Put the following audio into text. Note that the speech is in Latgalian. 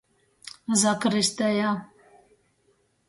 Zakristeja.